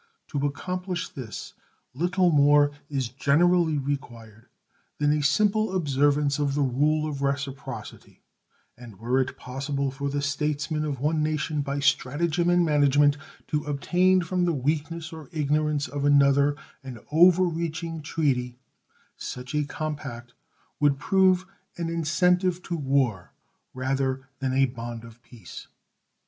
To accomplish this, little more is generally required than a simple observance of the rule of reciprocity, and were it possible for the states men of one nation by stratagem and management to obtain from the weakness or ignorance of another an over reaching treaty, such a compact would prove an incentive to war rather than a bond of peace.